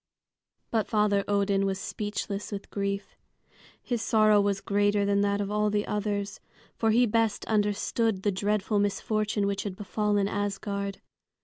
But Father Odin was speechless with grief. His sorrow was greater than that of all the others, for he best understood the dreadful misfortune which had befallen Asgard.